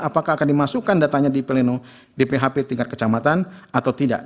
apakah akan dimasukkan datanya di pleno dphp tingkat kecamatan atau tidak